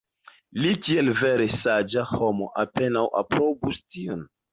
Li kiel vere saĝa homo apenaŭ aprobus tion.